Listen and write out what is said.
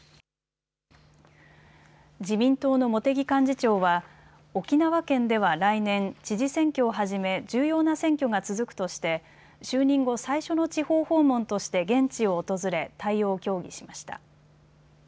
自民党の茂木幹事長は沖縄県では来年、知事選挙をはじめ重要な選挙が続くとして就任後最初の地方訪問として現地を訪れ対応を協議しました。